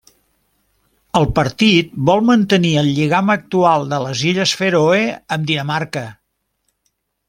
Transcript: El partit vol mantenir el lligam actual de les Illes Fèroe amb Dinamarca.